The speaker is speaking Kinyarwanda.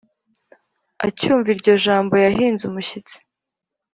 acyumva iryo jambo yahinze umushyitsi